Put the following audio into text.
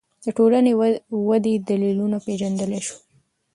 د ټولنې ودې دلیلونه پېژندلی شو